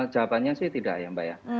jawabannya sih tidak ya mbak ya